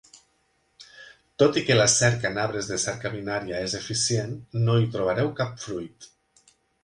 Tot i que la cerca en arbres de cerca binària és eficient, no hi trobareu cap fruit.